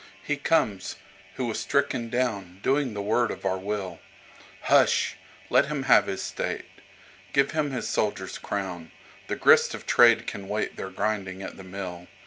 He comes, who was stricken downDoing the word of our will. Hush! Let him have his state. Give him his soldier's crown, The grists of trade can waitTheir grinding at the mill.